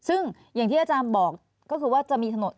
ซึ่งอย่างที่อาจารย์บอกก็คือว่าจะมีถนน